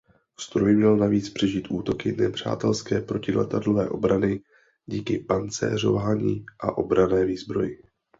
Stroj měl navíc přežít útoky nepřátelské protiletadlové obrany díky pancéřování a obranné výzbroji.